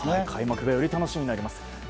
開幕がより楽しみになります。